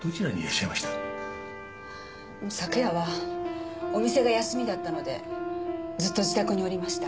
昨夜はお店が休みだったのでずっと自宅におりました。